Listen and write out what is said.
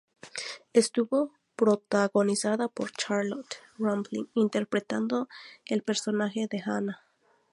Estuvo protagonizada por Charlotte Rampling interpretando el personaje de Hannah.